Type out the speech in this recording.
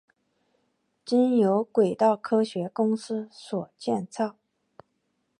经由轨道科学公司所建造。